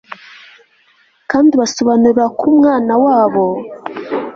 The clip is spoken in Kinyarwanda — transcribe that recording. kandi ubasobanurira ko umwana wabo